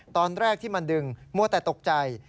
ตอนแรกที่มันดึงมัวแต่ตกใจ